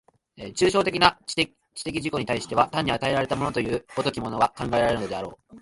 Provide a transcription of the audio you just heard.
抽象的な知的自己に対しては単に与えられたものという如きものが考えられるであろう。